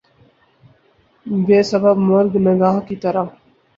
بے سبب مرگ ناگہاں کی طرح